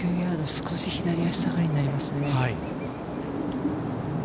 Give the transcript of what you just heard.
少し左下がりになりますね。